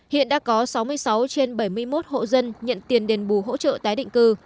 hiện đã có sáu mươi sáu trên bảy mươi một hộ dân nhận tiền đền bù hỗ trợ tái định cư